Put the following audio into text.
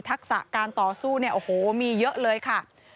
ทักษะการต่อสู้เนี่ยโอ้โหมีเยอะเลยค่ะ